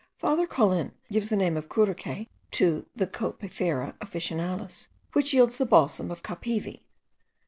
Father Caulin gives the name of curucay to the Copaifera officinalis, which yields the Balsam of Capivi.